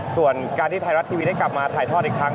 ส่วนการที่ไทยรัฐทีวีได้กลับมาถ่ายทอดอีกครั้ง